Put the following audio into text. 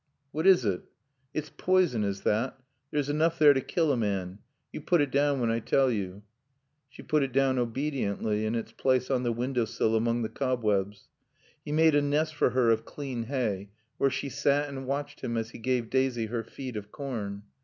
"What is it?" "It's poison, is thot. There's enoof there t' kill a maan. Yo' put it down whan I tall yo'." She put it down obediently in its place on the window sill among the cobwebs. He made a nest for her of clean hay, where she sat and watched him as he gave Daisy her feed of corn.